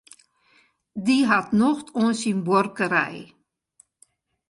Dy hat nocht oan syn buorkerij.